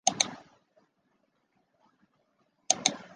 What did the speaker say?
它的体型是目前圈养虎鲸中最大的。